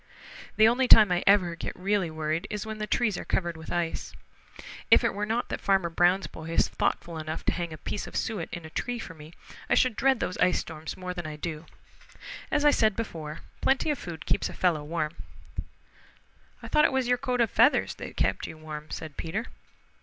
The only time I ever get really worried is when the trees are covered with ice. If it were not that Farmer Brown's boy is thoughtful enough to hang a piece of suet in a tree for me, I should dread those ice storms more than I do. As I said before, plenty of food keeps a fellow warm." "I thought it was your coat of feathers that kept you warm," said Peter.